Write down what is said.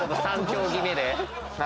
３競技目で。